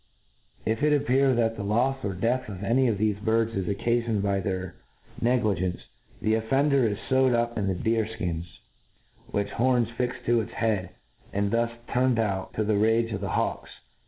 If it appe^^r that thq bfs or death of any of thefc birds is occafioncd by their negli gence, the offender is fowed up in deers ikins, wi^h hprns fixed to his head, and thus turned out. to the rage of the hawks.